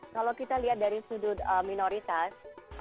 kalau kita lihat dari sudut minoritas